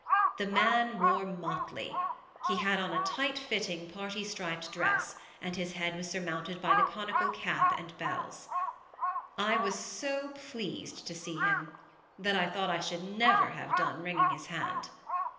The man wore motley. He had on a tight fitting parti striped dress, and his head was surmounted by the conical cap and bells. I was so pleased to see him, that I thought I should never have done wringing his hand.